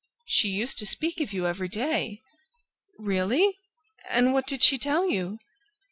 "She used to speak of you every day." "Really? ... And what did she tell you?"